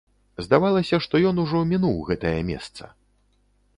Здавалася, што ён ужо мінуў гэтае месца.